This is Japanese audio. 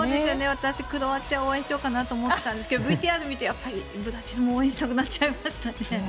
私、クロアチアを応援しようかなと思ってたんですがＶＴＲを見てブラジルを応援したくなっちゃいましたね。